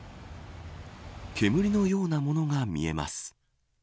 煙のようなものが見えます。